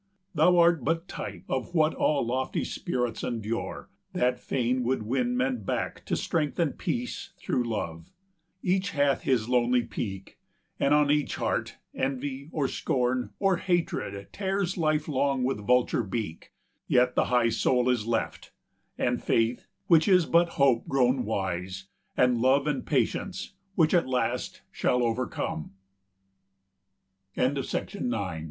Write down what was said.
thou art but type Of what all lofty spirits endure, that fain Would win men back to strength and peace through love: Each hath his lonely peak, and on each heart 360 Envy, or scorn, or hatred, tears lifelong With vulture beak; yet the high soul is left; And faith, which is but hope grown wise; and love And patience, which at last shall overc